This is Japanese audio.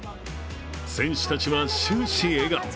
選手たちは終始笑顔。